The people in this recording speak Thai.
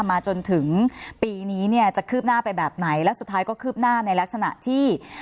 มาจนถึงปีนี้เนี่ยจะคืบหน้าไปแบบไหนแล้วสุดท้ายก็คืบหน้าในลักษณะที่